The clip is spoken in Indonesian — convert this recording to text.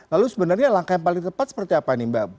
lalu sebenarnya langkah yang paling tepat seperti apa nih mbak